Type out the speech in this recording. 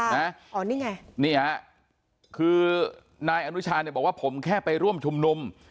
ค่ะอ๋อนี่ไงเนี้ยคือนายอนุชาจันทร์เนี้ยบอกว่าผมแค่ไปร่วมชุมนม